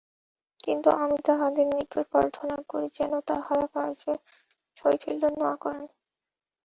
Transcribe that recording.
কিন্তু আমি তাঁহাদের নিকট প্রার্থনা করি, যেন তাঁহারা কার্যে শৈথিল্য না করেন।